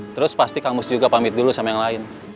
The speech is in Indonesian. terus pasti kamus juga pamit dulu sama yang lain